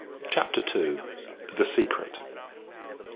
CHAPTER TWO. THE SECRET.